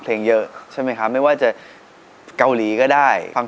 เพราะว่าเพราะว่าเพราะว่าเพราะ